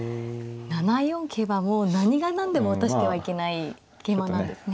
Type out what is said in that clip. ７四桂はもう何が何でも打たしてはいけない桂馬なんですね。